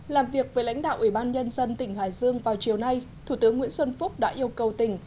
làm việc với lãnh đạo ủy ban nhân dân tỉnh hải dương vào chiều nay thủ tướng nguyễn xuân phúc đã yêu cầu tỉnh